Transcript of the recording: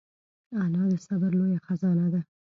انا د صبر لویه خزانه ده